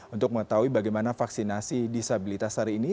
untuk mengetahui bagaimana vaksinasi disabilitas hari ini